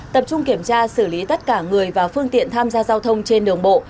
tập trung kiểm tra xử lý tất cả người và phương tiện tham gia giao thông trên đường bộ